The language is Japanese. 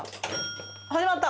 始まった。